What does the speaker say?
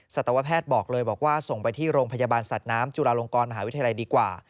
สัตวแพทย์บอกเลยบอกว่าส่งไปที่โรงพยาบาลสัตว์น้ำจุฬาลงกรมหาวิทยาลัยดีกว่า